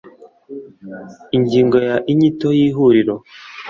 Ingingo ya Inyito y Ihuriro